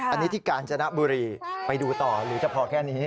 อันนี้ที่กาญจนบุรีไปดูต่อหรือจะพอแค่นี้